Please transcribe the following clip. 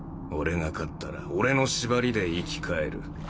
俺が勝ったら俺の縛りで生き返る。